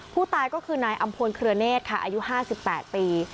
ผู้ตายก็คือนายอำพลเครือเนธค่ะอายุ๕๘ปี